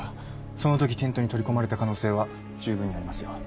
その時テントに取り込まれた可能性は十分にありますよ